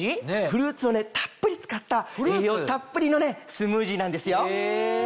フルーツをたっぷり使った栄養たっぷりのスムージーなんですよ。